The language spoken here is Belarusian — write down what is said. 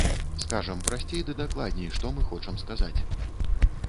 Скажам прасцей ды дакладней, што мы хочам сказаць.